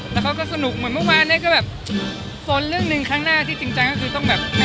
แต่เขาก็สนุกเหมือนเมื่อวานเนี่ยก็แบบโฟนเรื่องหนึ่งข้างหน้าที่จริงจังก็คือต้องแบบ